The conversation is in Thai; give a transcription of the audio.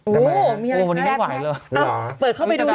ทำไมครับมีอย่างนั้นแปลกแปลกนะครับอ๋อ